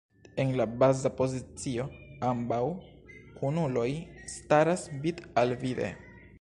En la baza pozicio ambaŭ kunuloj staras vid-al-vide.